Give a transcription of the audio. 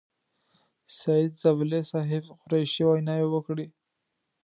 سعید زابلي صاحب، قریشي ویناوې وکړې.